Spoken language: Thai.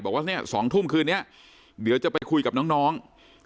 บอกว่าเนี่ย๒ทุ่มคืนนี้เดี๋ยวจะไปคุยกับน้อง